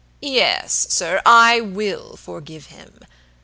Yes, sir, I will forgive him.